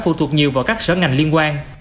phụ thuộc nhiều vào các sở ngành liên quan